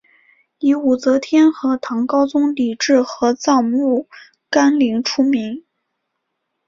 以武则天和唐高宗李治合葬墓干陵出名。